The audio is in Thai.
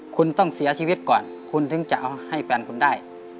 คุณต้องเสียชีวิตก่อนคุณถึงจะเอาให้แฟนคุณได้